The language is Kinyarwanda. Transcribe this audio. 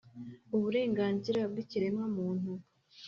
'uburenganzira bw'ikiremwamuntu.